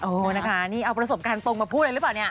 นะคะนี่เอาประสบการณ์ตรงมาพูดเลยหรือเปล่าเนี่ย